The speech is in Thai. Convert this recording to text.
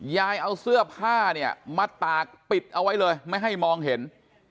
ยายเอาเสื้อผ้าเนี่ยมาตากปิดเอาไว้เลยไม่ให้มองเห็น